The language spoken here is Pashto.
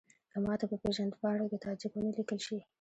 که ماته په پېژندپاڼه کې تاجک ونه لیکل شي.